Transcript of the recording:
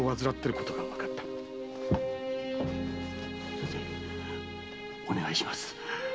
先生お願いします。